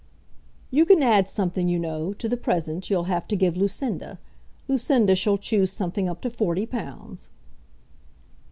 "You can add something, you know, to the present you'll have to give Lucinda. Lucinda shall choose something up to forty pounds."